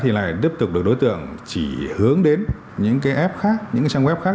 thì lại tiếp tục được đối tượng chỉ hướng đến những trang web khác